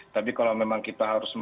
tapi kalau memang kita harus